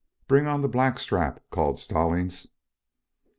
"Bring on the black strap," called Stallings.